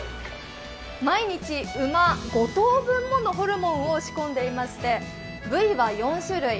毎日、馬５頭分のホルモンを仕込んでいまして部位が４種類。